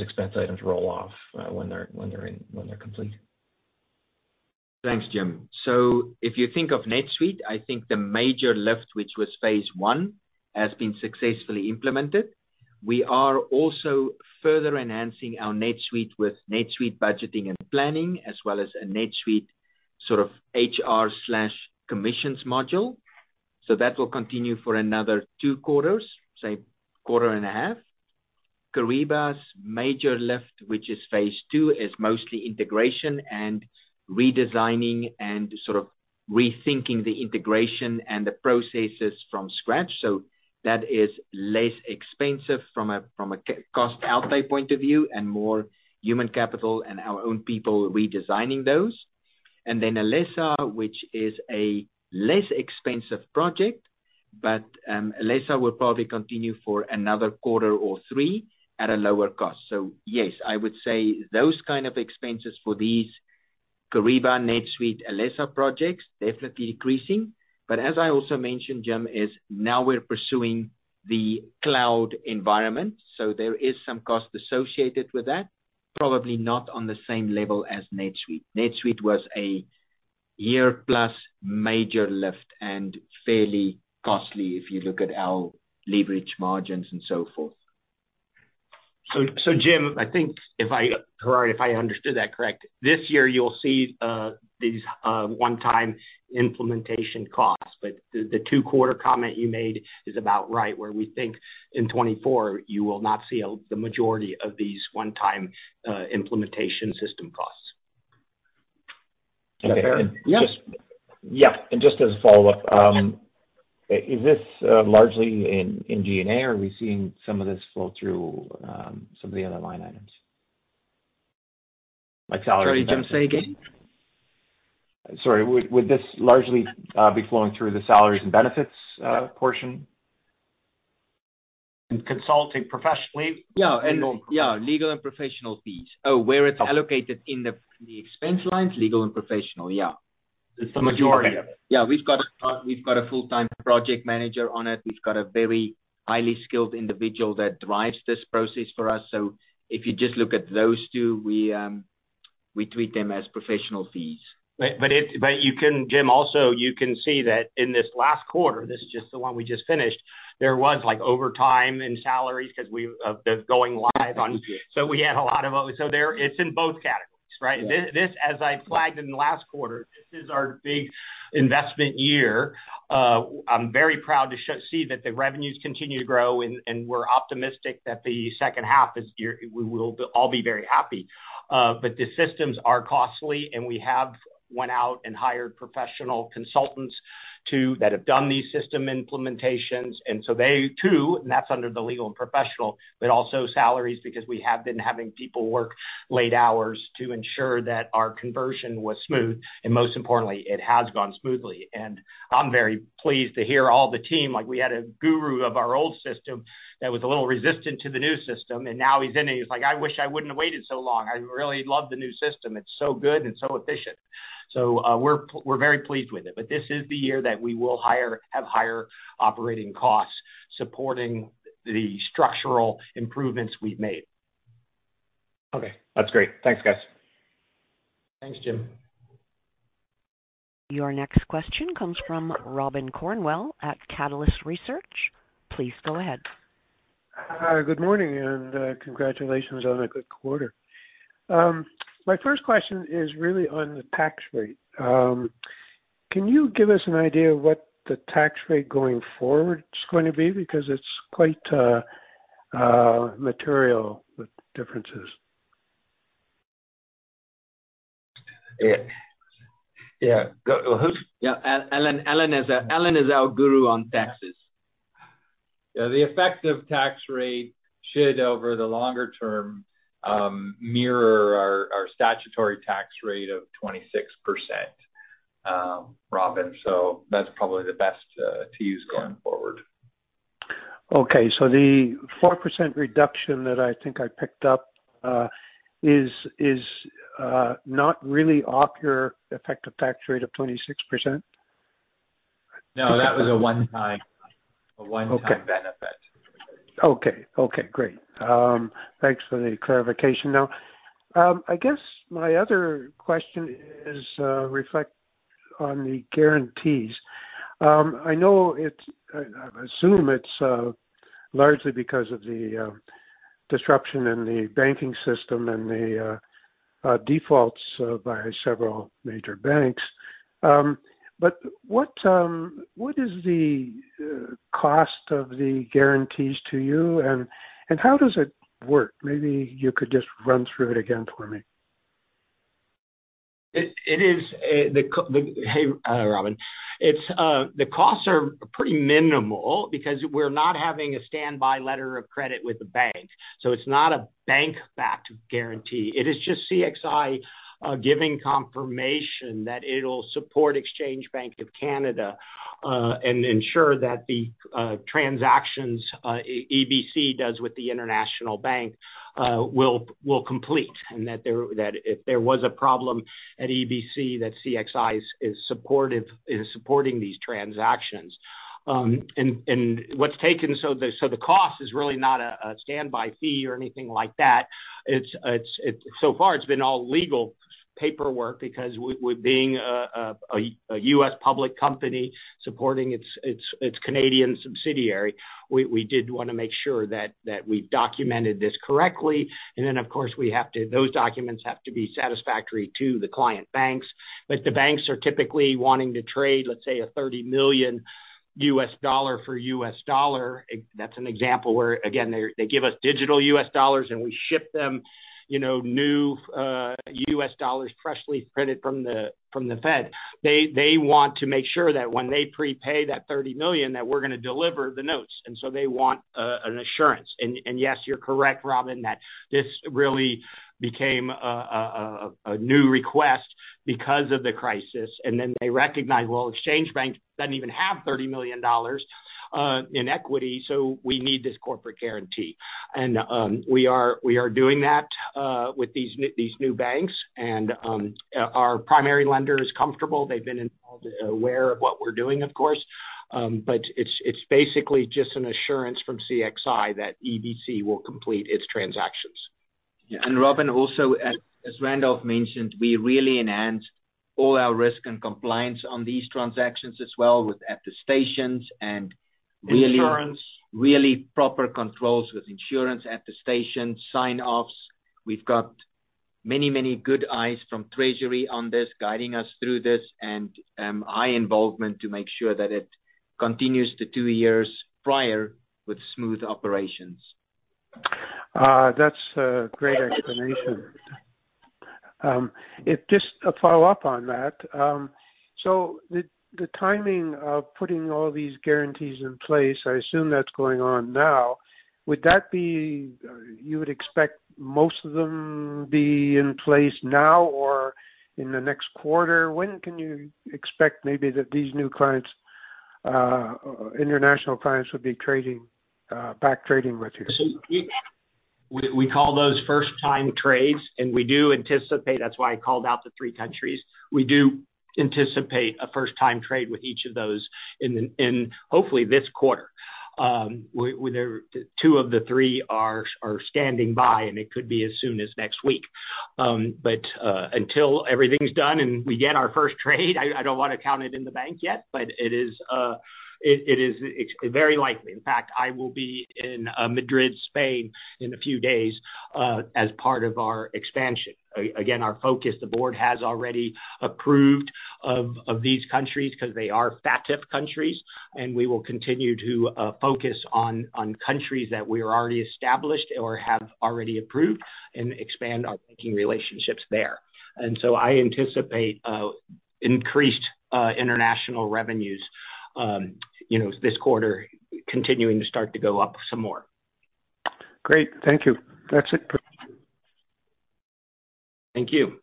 expense items roll off when they're complete? Thanks, Jim. If you think of NetSuite, I think the major lift, which was phase one, has been successfully implemented. We are also further enhancing our NetSuite with NetSuite budgeting and planning, as well as a NetSuite sort of HR/commissions module. That will continue for another 2 quarters, say, quarter and a half. Kyriba's major lift, which is phase two, is mostly integration and redesigning and sort of rethinking the integration and the processes from scratch. That is less expensive from a cost outlay point of view, and more human capital and our own people redesigning those. Alessa, which is a less expensive project, but Alessa will probably continue for another quarter or 3 at a lower cost. Yes, I would say those kind of expenses for these Kyriba, NetSuite, Alessa projects, definitely decreasing. As I also mentioned, Jim, is now we're pursuing the cloud environment, so there is some cost associated with that, probably not on the same level as NetSuite. NetSuite was a year-plus major lift and fairly costly if you look at our leverage margins and so forth. Jim, I think if I understood that correct, this year you'll see these one-time implementation costs, but the 2-quarter comment you made is about right, where we think in 2024 you will not see the majority of these one-time implementation system costs. Is that fair? Yeah. Yeah, just as a follow-up, is this largely in G&A, or are we seeing some of this flow through, some of the other line items? Like salary and benefits. Sorry, come say again? Sorry, would this largely be flowing through the salaries and benefits portion? Consulting professionally? Yeah, and, yeah, legal and professional fees. Oh, where it's allocated in the expense lines? Legal and professional, yeah. It's the majority of it. Yeah, we've got a full-time project manager on it. We've got a very highly skilled individual that drives this process for us. If you just look at those two, we treat them as professional fees. You can, Jim, also, you can see that in this last quarter, this is just the one we just finished, there was like overtime and salaries because we. Yeah. There, it's in both categories, right? Yeah. This, as I flagged in the last quarter, this is our big investment year. I'm very proud to see that the revenues continue to grow, and we're optimistic that the second half is year, we will all be very happy. But the systems are costly, and we have went out and hired professional consultants, too, that have done these system implementations. They, too, and that's under the legal and professional, but also salaries, because we have been having people work late hours to ensure that our conversion was smooth, and most importantly, it has gone smoothly. I'm very pleased to hear all the team, like, we had a guru of our old system that was a little resistant to the new system, and now he's in it, he's like: "I wish I wouldn't have waited so long. I really love the new system. It's so good and so efficient. We're very pleased with it. This is the year that we will have higher operating costs supporting the structural improvements we've made. Okay, that's great. Thanks, guys. Thanks, Jim. Your next question comes from Robin Cornwell at Catalyst Research. Please go ahead. Hi, good morning, congratulations on a good quarter. My first question is really on the tax rate. Can you give us an idea of what the tax rate going forward is going to be? Because it's quite material with differences. It. Yeah. Go. Yeah. Alan is our guru on taxes. Yeah, the effective tax rate should, over the longer term, mirror our statutory tax rate of 26%, Robin. That's probably the best to use going forward. The 4% reduction that I think I picked up, is not really off your effective tax rate of 26%? No, that was a one-time, a one-time benefit. Okay. Okay, great. Thanks for the clarification. I guess my other question is, reflect on the guarantees. I know it's. I assume it's largely because of the disruption in the banking system and the defaults by several major banks. What is the cost of the guarantees to you, and how does it work? Maybe you could just run through it again for me. It is. Hey, Robin, it's, the costs are pretty minimal because we're not having a standby letter of credit with the bank, so it's not a bank-backed guarantee. It is just CXI giving confirmation that it'll support Exchange Bank of Canada and ensure that the transactions EBC does with the international bank will complete, and that there, that if there was a problem at EBC, that CXI is supporting these transactions. What's taken, so the cost is really not a standby fee or anything like that. It's so far, it's been all legal paperwork because with being a U.S. public company supporting its Canadian subsidiary, we did want to make sure that we documented this correctly. Of course, we have to those documents have to be satisfactory to the client banks. The banks are typically wanting to trade, let's say, a $30 million for US dollar. That's an example where, again, they give us digital US dollars, and we ship them, you know, new US dollars, freshly printed from the Fed. They want to make sure that when they prepay that $30 million, that we're going to deliver the notes, they want an assurance. Yes, you're correct, Robin, that this really became a new request because of the crisis. They recognized, well, Exchange Bank doesn't even have $30 million in equity, so we need this corporate guarantee. We are doing that with these new banks and our primary lender is comfortable. They've been involved, aware of what we're doing, of course. But it's basically just an assurance from CXI that EBC will complete its transactions. Yeah. Robin, also, as Randolph mentioned, we really enhanced all our risk and compliance on these transactions as well, with attestations. Insurance. Really proper controls with insurance, attestations, sign-offs. We've got many good eyes from treasury on this, guiding us through this and high involvement to make sure that it continues the two years prior with smooth operations. That's a great explanation. Just a follow-up on that. The timing of putting all these guarantees in place, I assume that's going on now. Would that be, you would expect most of them be in place now or? In the next quarter, when can you expect maybe that these new clients, international clients, will be back trading with you? We, we call those first-time trades, and we do anticipate, that's why I called out the three countries. We do anticipate a first-time trade with each of those in hopefully this quarter. Where two of the three are standing by, and it could be as soon as next week. But until everything's done and we get our first trade, I don't want to count it in the bank yet, but it is, it is very likely. In fact, I will be in Madrid, Spain, in a few days, as part of our expansion. Again, our focus, the board has already approved of these countries because they are FATF countries, and we will continue to focus on countries that we are already established or have already approved and expand our banking relationships there. I anticipate, increased, international revenues, you know, this quarter continuing to start to go up some more. Great. Thank you. That's it. Thank you.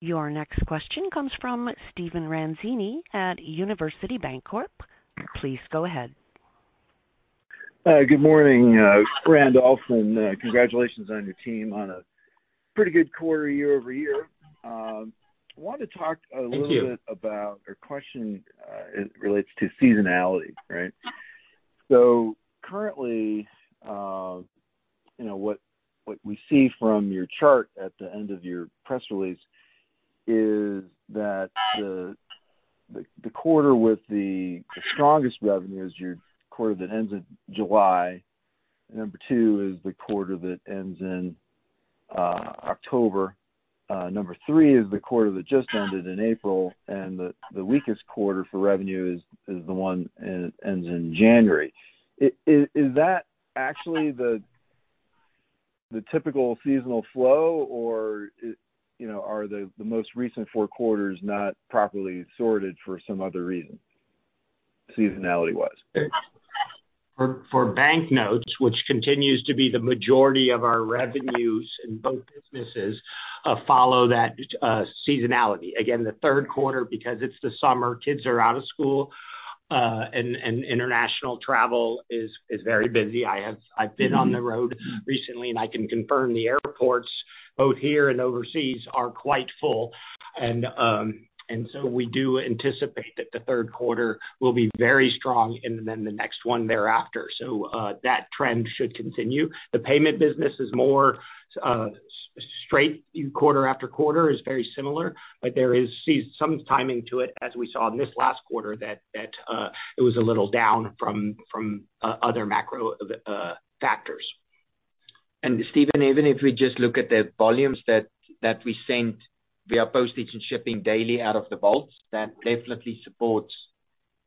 Your next question comes from Stephen Ranzini at University Bancorp. Please go ahead. Good morning, Randolph, and congratulations on your team on a pretty good quarter, year-over-year. I wanted to talk a little bit. Thank you. About, a question, it relates to seasonality, right? Currently, you know, what we see from your chart at the end of your press release is that the quarter with the strongest revenue is your quarter that ends in July. Number two is the quarter that ends in October. Number three is the quarter that just ended in April, and the weakest quarter for revenue is the one, ends in January. Is that actually the typical seasonal flow, or, it, you know, are the most recent four quarters not properly sorted for some other reason, seasonality-wise? For banknotes, which continues to be the majority of our revenues in both businesses, follow that seasonality. Again, the third quarter, because it's the summer, kids are out of school, and international travel is very busy. I've been on the road recently, and I can confirm the airports, both here and overseas, are quite full. We do anticipate that the third quarter will be very strong and then the next one thereafter. That trend should continue. The payment business is more straight quarter after quarter is very similar, but there is some timing to it, as we saw in this last quarter, that it was a little down from other macro factors. Stephen, even if we just look at the volumes that we sent via postage and shipping daily out of the vaults, that definitely supports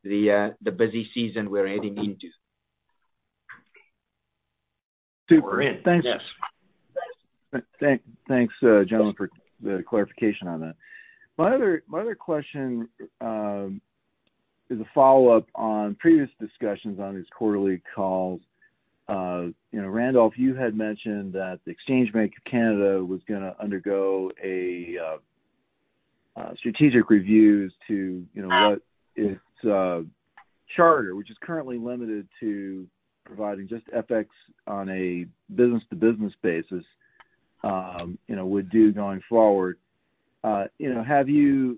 the busy season we're heading into. Super. Thanks. Yes. Thanks, gentlemen, for the clarification on that. My other question is a follow-up on previous discussions on these quarterly calls. You know, Randolph, you had mentioned that the Exchange Bank of Canada was gonna undergo a strategic review as to, you know, what its charter, which is currently limited to providing just FX on a business-to-business basis, you know, would do going forward. You know, have you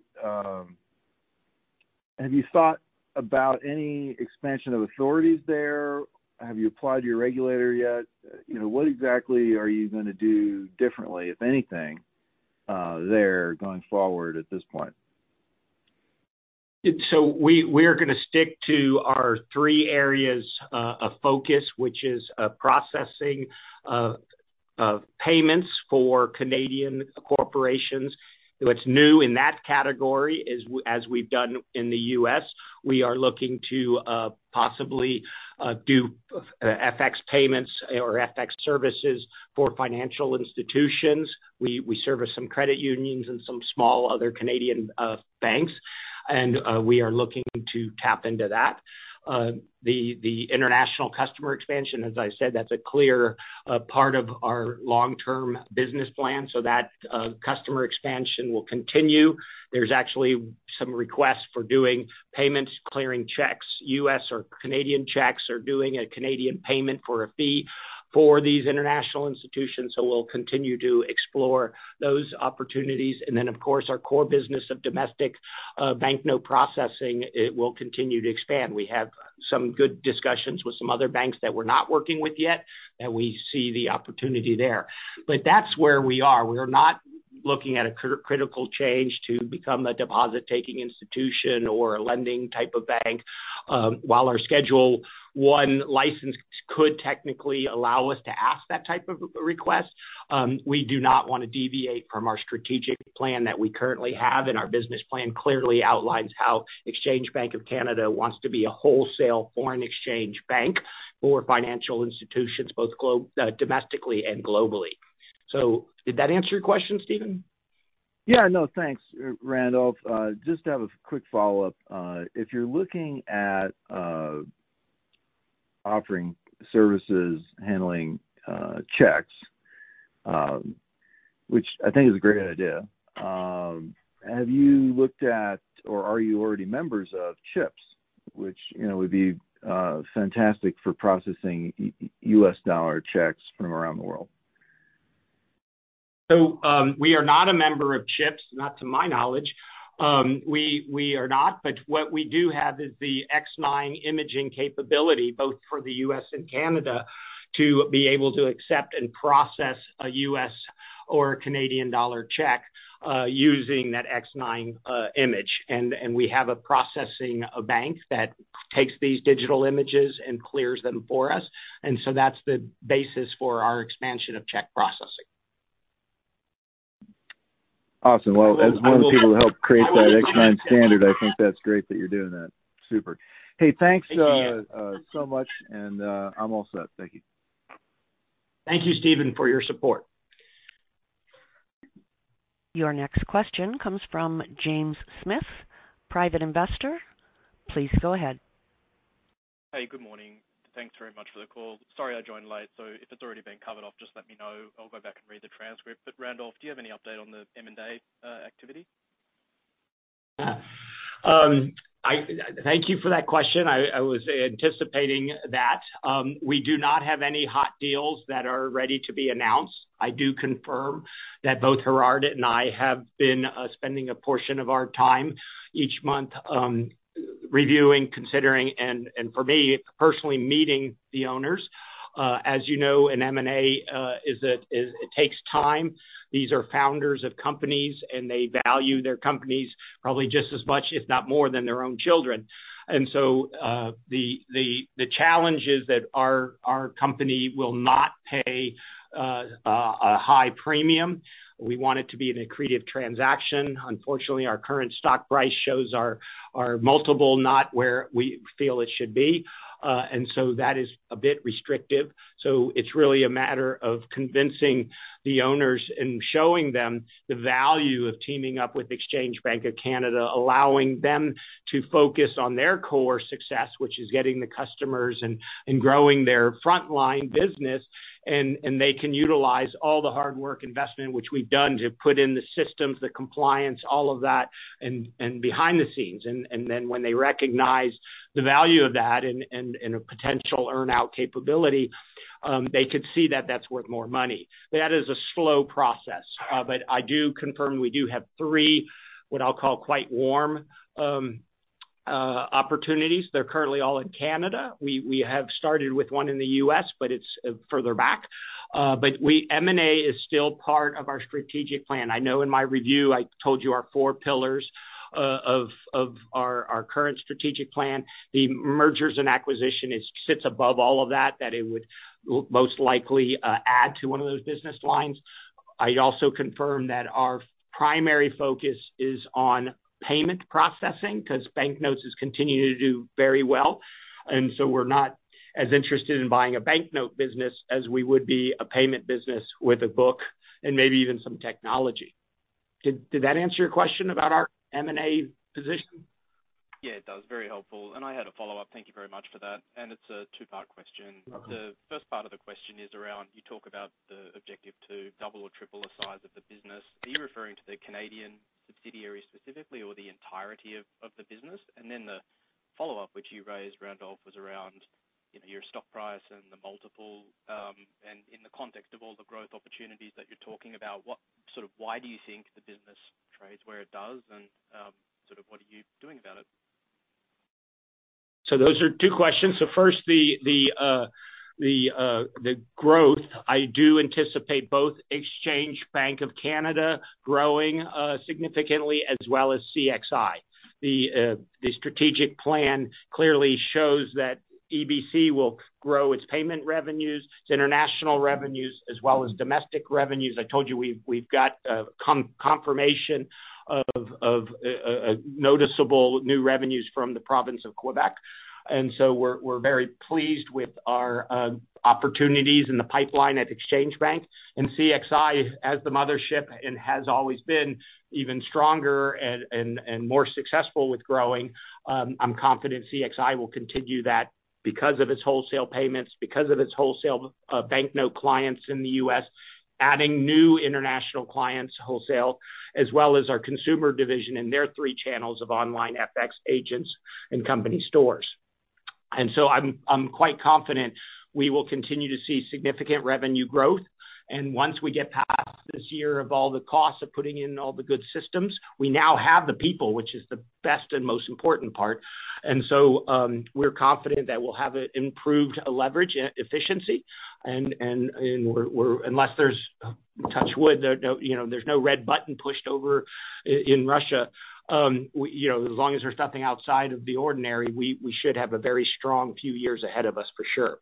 thought about any expansion of authorities there? Have you applied to your regulator yet? You know, what exactly are you gonna do differently, if anything, there going forward at this point? We're gonna stick to our 3 areas of focus, which is processing of payments for Canadian corporations. What's new in that category is, as we've done in the U.S., we are looking to possibly do FX payments or FX services for financial institutions. We service some credit unions and some small other Canadian banks, and we are looking to tap into that. The international customer expansion, as I said, that's a clear part of our long-term business plan, so that customer expansion will continue. There's actually some requests for doing payments, clearing checks, U.S. or Canadian checks, or doing a Canadian payment for a fee for these international institutions, so we'll continue to explore those opportunities. Of course, our core business of domestic banknote processing, it will continue to expand. We have some good discussions with some other banks that we're not working with yet, and we see the opportunity there. That's where we are. We're not looking at a critical change to become a deposit-taking institution or a lending type of bank. While our Schedule I bank could technically allow us to ask that type of request, we do not want to deviate from our strategic plan that we currently have, and our business plan clearly outlines how Exchange Bank of Canada wants to be a wholesale foreign exchange bank for financial institutions, both domestically and globally. Did that answer your question, Stephen? Yeah. No, thanks, Randolph. Just to have a quick follow-up, if you're looking at offering services, handling checks, which I think is a great idea. Have you looked at or are you already members of CHIPS, which, you know, would be fantastic for processing U.S. dollar checks from around the world? We are not a member of CHIPS, not to my knowledge. We are not, but what we do have is the X9 imaging capability, both for the U.S. and Canada, to be able to accept and process a U.S. or a Canadian dollar check, using that X9 image. We have a processing bank that takes these digital images and clears them for us. That's the basis for our expansion of check processing. Awesome. Well, as one of the people who helped create that X9 standard, I think that's great that you're doing that. Super. Hey, thanks. Thank you. So much, and, I'm all set. Thank you. Thank you, Stephen, for your support. Your next question comes from James Smith, Private Investor. Please go ahead. Hey, good morning. Thanks very much for the call. Sorry, I joined late, so if it's already been covered off, just let me know. I'll go back and read the transcript. Randolph, do you have any update on the M&A activity? Yeah. Thank you for that question. I was anticipating that. We do not have any hot deals that are ready to be announced. I do confirm that both Gerhard and I have been spending a portion of our time each month reviewing, considering, and for me, personally meeting the owners. As you know, an M&A takes time. These are founders of companies, and they value their companies probably just as much, if not more, than their own children. The challenge is that our company will not pay a high premium. We want it to be an accretive transaction. Unfortunately, our current stock price shows our multiple, not where we feel it should be, that is a bit restrictive. It's really a matter of convincing the owners and showing them the value of teaming up with Exchange Bank of Canada, allowing them to focus on their core success, which is getting the customers and growing their frontline business. They can utilize all the hard work investment, which we've done to put in the systems, the compliance, all of that, and behind the scenes. When they recognize the value of that and a potential earn out capability, they could see that that's worth more money. That is a slow process, but I do confirm we do have 3, what I'll call quite warm, opportunities. They're currently all in Canada. We have started with 1 in the U.S., but it's further back. M&A is still part of our strategic plan. I know in my review, I told you our four pillars of our current strategic plan. The mergers and acquisition sits above all of that it would most likely add to one of those business lines. I also confirm that our primary focus is on payment processing, because banknotes has continued to do very well, we're not as interested in buying a banknote business as we would be a payment business with a book and maybe even some technology. Did that answer your question about our M&A position? Yeah, it does. Very helpful. I had a follow-up. Thank you very much for that. It's a two-part question. Okay. The first part of the question is around, you talk about the objective to double or triple the size of the business. Are you referring to the Canadian subsidiary specifically or the entirety of the business? The follow-up, which you raised, Randolph, was around, you know, your stock price and the multiple, and in the context of all the growth opportunities that you're talking about, sort of, why do you think the business trades where it does? Sort of what are you doing about it? Those are two questions. First, the growth. I do anticipate both Exchange Bank of Canada growing significantly, as well as CXI. The strategic plan clearly shows that EBC will grow its payment revenues, its international revenues, as well as domestic revenues. I told you, we've got confirmation of noticeable new revenues from the province of Quebec, we're very pleased with our opportunities in the pipeline at Exchange Bank. CXI, as the mothership, and has always been even stronger and more successful with growing, I'm confident CXI will continue that because of its wholesale payments, because of its wholesale banknote clients in the U.S., adding new international clients, wholesale, as well as our consumer division and their three channels of OnlineFX agents and company stores. I'm quite confident we will continue to see significant revenue growth, and once we get past this year of all the costs of putting in all the good systems, we now have the people, which is the best and most important part. We're confident that we'll have an improved leverage efficiency, and we're, unless there's, touch wood, you know, there's no red button pushed in Russia, we, you know, as long as there's nothing outside of the ordinary, we should have a very strong few years ahead of us for sure.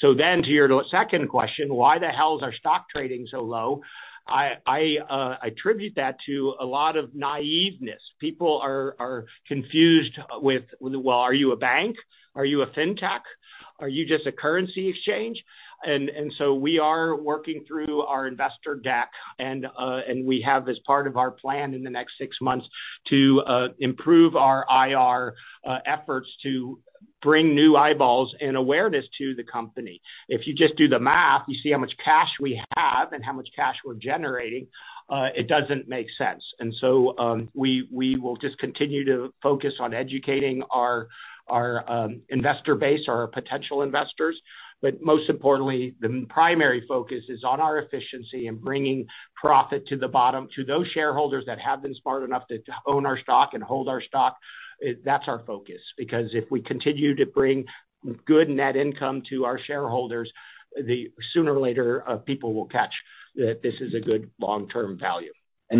To your second question, why the hell is our stock trading so low? I attribute that to a lot of naiveness. People are confused with, well, are you a bank? Are you a fintech? Are you just a currency exchange? We are working through our investor deck, and we have, as part of our plan in the next six months, to improve our IR efforts to bring new eyeballs and awareness to the company. If you just do the math, you see how much cash we have and how much cash we're generating, it doesn't make sense. We will just continue to focus on educating our investor base, our potential investors. Most importantly, the primary focus is on our efficiency and bringing profit to the bottom, to those shareholders that have been smart enough to own our stock and hold our stock. That's our focus, because if we continue to bring good net income to our shareholders, sooner or later, people will catch that this is a good long-term value.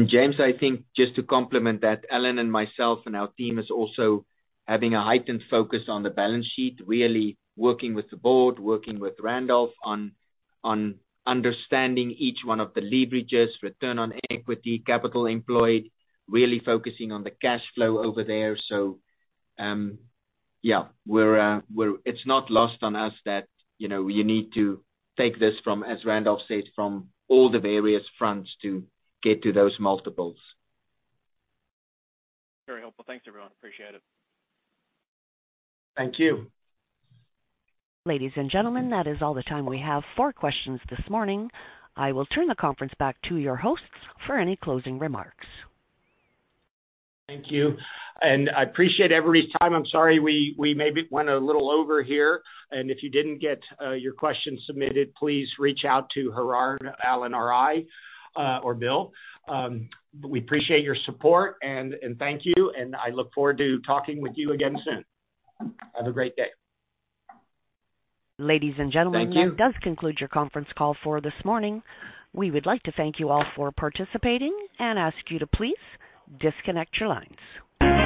James, I think just to complement that, Alan and myself and our team is also having a heightened focus on the balance sheet, really working with the board, working with Randolph on understanding each one of the leverages, return on equity, capital employed, really focusing on the cash flow over there. It's not lost on us that, you know, you need to take this from, as Randolph said, from all the various fronts to get to those multiples. Very helpful. Thanks, everyone. Appreciate it. Thank you. Ladies and gentlemen, that is all the time we have for questions this morning. I will turn the conference back to your hosts for any closing remarks. Thank you, I appreciate everybody's time. I'm sorry, we maybe went a little over here, if you didn't get your questions submitted, please reach out to Gerhard, Alan, or I, or Bill. We appreciate your support, thank you, I look forward to talking with you again soon. Have a great day. Ladies and gentlemen. Thank you. That does conclude your conference call for this morning. We would like to thank you all for participating and ask you to please disconnect your lines.